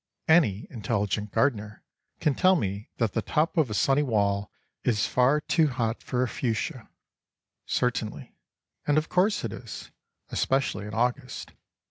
Any intelligent gardener can tell me that the top of a sunny wall is far too hot for a fuschia. Certainly; and of course it is—especially in August.